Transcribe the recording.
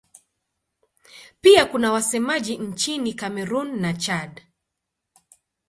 Pia kuna wasemaji nchini Kamerun na Chad.